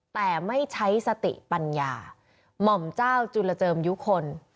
แต่ไม่ใช้สติปัญญาหม่อมเจ้าจุลเจิมยุคล